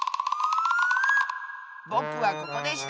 ぼくはここでした！